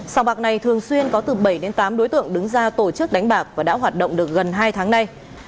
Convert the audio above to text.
sò bạc này thường xuyên có từ bảy đến tám đối tượng đứng ra tổ chức đánh bạc và đã hoạt động được gần hai tháng nay